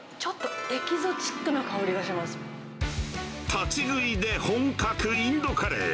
立ち食いで本格インドカレー。